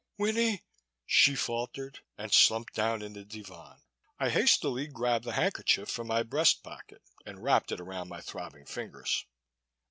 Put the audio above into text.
"Winnie " she faltered, and slumped down in the divan. I hastily grabbed the handkerchief from my breast pocket and wrapped it around my throbbing fingers.